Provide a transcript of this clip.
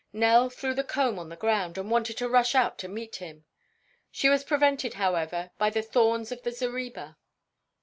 Nell threw the comb on the ground and wanted to rush out to meet him. She was prevented, however, by the thorns of the zareba.